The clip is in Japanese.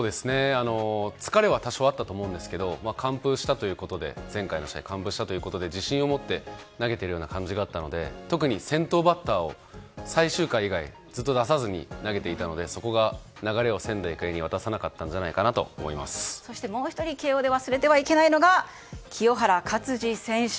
疲れは多少あったと思うんですが前回の試合完封したということで自信を持って投げているような感じがあったので特に先頭バッターを最終回以外ずっと出さずに投げていたのでそこが流れを仙台育英に渡さなかったんじゃないかなとそしてもう１人、慶應で忘れてはならないのが清原勝児選手。